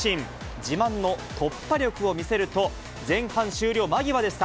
自慢の突破力を見せると、前半終了間際でした。